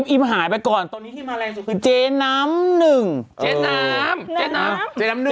อิ่มหายไปก่อนตอนนี้ที่มาแรงสุดคือ